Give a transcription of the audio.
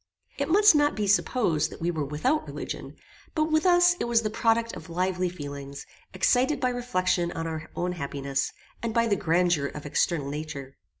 It must not be supposed that we were without religion, but with us it was the product of lively feelings, excited by reflection on our own happiness, and by the grandeur of external nature.